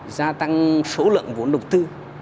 gia tăng số lượng vốn đồng tư